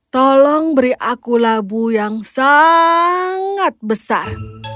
tolong beri aku labu yang sangat besar